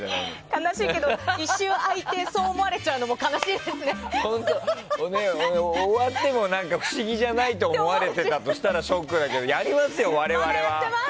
悲しいけど一瞬空いてそう思われちゃうのも終わっても不思議じゃないと思われていたらショックだけどやりますよね、我々は。